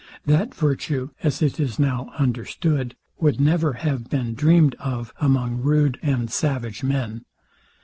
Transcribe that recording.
That virtue, as it is now understood, would never have been dreamed of among rude and savage men.